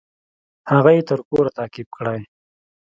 هغه يې تر کوره تعقيب کړى.